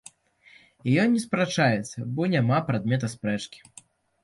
І ён не спрачаецца, бо няма прадмета спрэчкі.